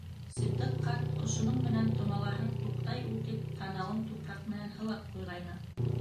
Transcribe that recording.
Ситдиҡ ҡарт, ошоноң менән томалаһаң туҡтай ул, тип танауын тупраҡ менән һылап ҡуйғайны.